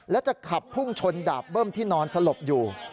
และจะขับพุ่งชนดาบเบิ้มที่นอนสลบอยู่